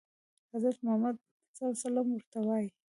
حضرت محمد ورته وايي.